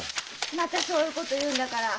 またそういうこと言うんだから。